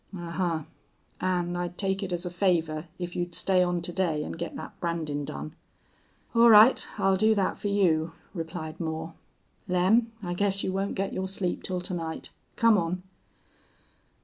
"Ahuh! An' I'd take it as a favor if you'd stay on to day an' get thet brandin' done:" "All right, I'll do that for you," replied Moore. "Lem, I guess you won't get your sleep till to night. Come on."